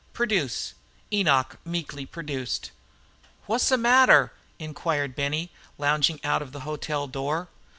Produce!" Enoch meekly produced. "Wha's the matter?" Inquired Benny, lounging out of the hotel door.